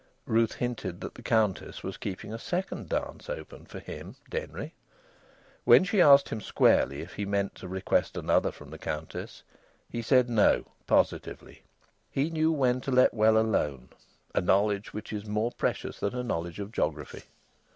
Ruth hinted that the Countess was keeping a second dance open for him, Denry. When she asked him squarely if he meant to request another from the Countess, he said no, positively. He knew when to let well alone, a knowledge which is more precious than a knowledge of geography.